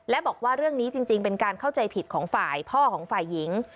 และบอกว่าเรื่องนี้จริงเป็นการเข้าใจผิดของฝ่ายพ่อของฝ่ายหญิง